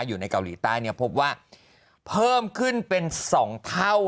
อยู่ในเกาหลีใต้เนี่ยพบว่าเพิ่มขึ้นเป็น๒เท่า